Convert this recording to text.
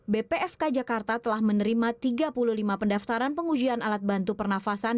bpfk jakarta telah menerima tiga puluh lima pendaftaran pengujian alat bantu pernafasan